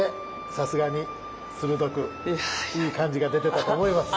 さすがに鋭くいい感じが出てたと思います。